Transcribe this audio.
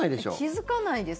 気付かないです。